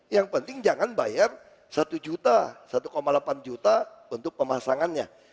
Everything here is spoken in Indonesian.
yang penting jangan bayar satu juta satu delapan juta bentuk pemasangannya